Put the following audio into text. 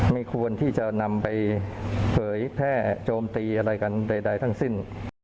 ไม่ควรที่จะนำไปเผยแพร่โจมตีอะไรกันใดทั้งสิ้น